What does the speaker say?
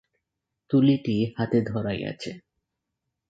তুলিটি হাতে ধরাই আছে।